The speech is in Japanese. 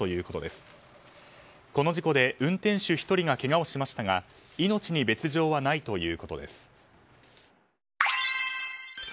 この事故で運転手１人がけがをしましたが命に別条はないということです。